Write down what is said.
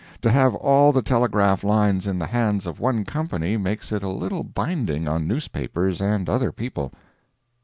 To have all the telegraph lines in the hands of one Company, makes it a little binding on newspapers and other people.